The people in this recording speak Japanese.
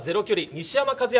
西山和弥